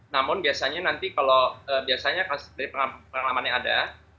namun biasanya nanti kalau biasanya dari pengalaman yang ada